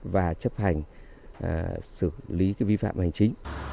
và chấp hành xử lý vi phạm hành chính